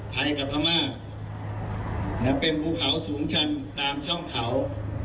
ไพกับธมมาเนี้ยเป็นบุเขาสูงชันตามช่องเขา